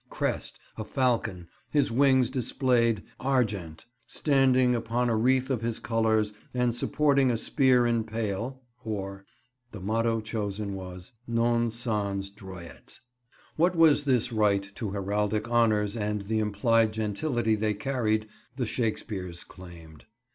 Crest, a falcon, his wings displayed, argent, standing upon a wreath of his colours and supporting a spear in pale, or." The motto chosen was "Non sanz droiet." What was this right to heraldic honours and the implied gentility they carried, the Shakespeares claimed?